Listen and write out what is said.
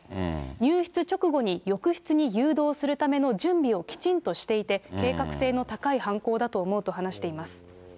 入室直後に浴室に誘導するための準備をきちんとしていて、計画性の高い犯行だと思うと話しています。